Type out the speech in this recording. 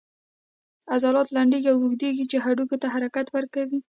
عضلات لنډیږي او اوږدیږي چې هډوکو ته حرکت ورکوي